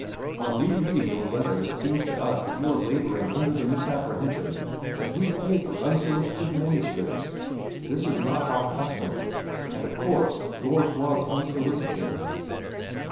"On rereading your letter it seems to us that you are laboring under the misapprehension that we pay for unsolicited manuscripts. This is not our custom, and of course yours was unsolicited.